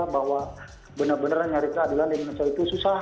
bahwa benar benar nyari keadilan yang menentukan itu susah